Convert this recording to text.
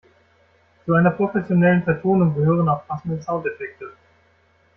Zu einer professionellen Vertonung gehören auch passende Soundeffekte.